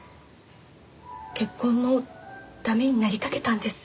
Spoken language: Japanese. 結婚も駄目になりかけたんです。